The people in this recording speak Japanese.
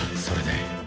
それで。